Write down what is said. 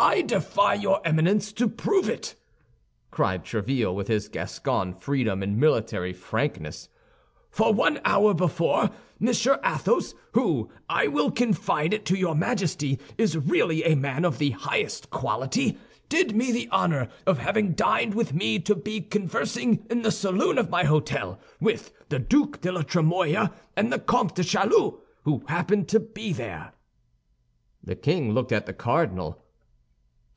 "I defy your Eminence to prove it," cried Tréville, with his Gascon freedom and military frankness; "for one hour before, Monsieur Athos, who, I will confide it to your Majesty, is really a man of the highest quality, did me the honor after having dined with me to be conversing in the saloon of my hôtel, with the Duc de la Trémouille and the Comte de Châlus, who happened to be there." The king looked at the cardinal.